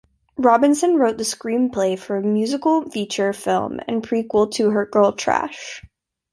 Robinson wrote the screenplay for a musical feature film and prequel to her Girltrash!